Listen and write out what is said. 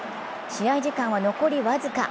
試合時間は残り僅か。